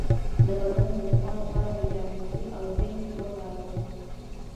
د بدن د دفاع لپاره ویټامین سي او زنک وکاروئ